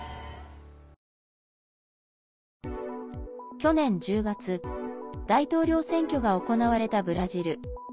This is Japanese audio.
去年１０月大統領選挙が行われたブラジル。